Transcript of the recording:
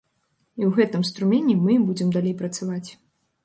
І ў гэтым струмені мы і будзем далей працаваць.